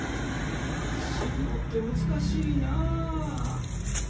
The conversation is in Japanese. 死ぬのって難しいなあ」。